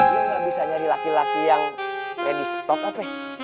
lo gak bisa nyari laki laki yang ready stock apa ya